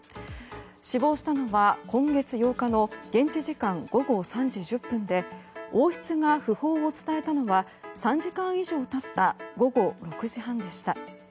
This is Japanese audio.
死亡したのは今月８日の現地時間午後３時１０分で王室が訃報を伝えたのは３時間以上経った午後６時半でした。